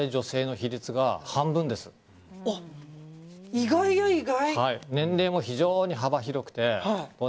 意外や意外。